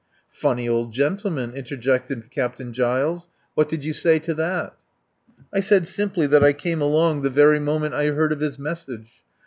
"Funny old gentleman," interjected Captain Giles. "What did you say to that?" "I said simply that I came along the very moment I heard of his message.